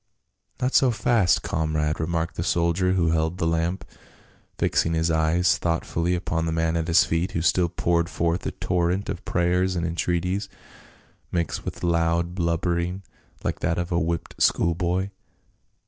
206 PA UL. " Not so fast, comrade," remarked the soldier who held the lamp, fixing his eyes thoughtfully upon the man at his feet, who still poured forth a torrent of prayers and entreaties, mixed with loud blubbering like that of a whipped school boy.